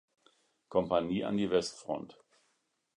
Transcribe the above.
Kompanie an die Westfront.